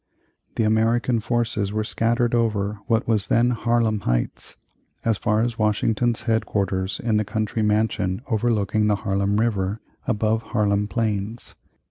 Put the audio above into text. The American forces were scattered over what was then Harlem Heights, as far as Washington's head quarters in the country mansion overlooking the Harlem River above Harlem Plains.